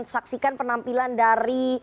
saksikan penampilan dari